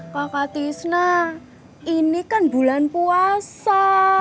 kakak tisna ini kan bulan puasa